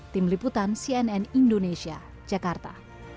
tim liputan cnn indonesia jakarta